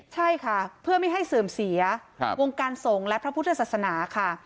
ใช่ค่ะเพื่อไม่ให้เสื่อมเสียวงการสงฆ์และพระพุทธศาสนาค่ะ